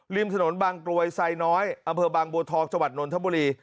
ริมถนนบางกรวยไซน้อยอำเภอบางบัวทองจังหวัดนนทบุรี